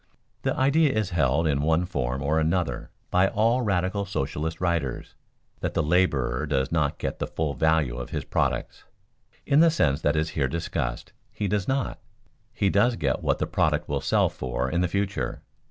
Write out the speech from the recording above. _ The idea is held in one form or another by all radical socialistic writers, that the laborer does not get the full value of his products. In the sense that is here discussed, he does not. He does not get what the product will sell for in the future.